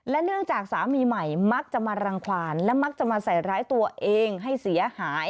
เนื่องจากสามีใหม่มักจะมารังความและมักจะมาใส่ร้ายตัวเองให้เสียหาย